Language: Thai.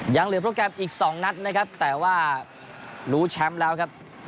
ยังเหลือโปรแกรมอีก๒นัดนะครับแต่ว่ารู้แชมป์แล้วครับ